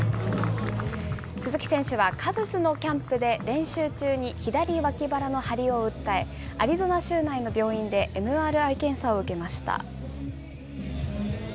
鈴木選手はカブスのキャンプで、練習中に左脇腹の張りを訴え、アリゾナ州内の病院で、ＭＲＩ検査を受けました。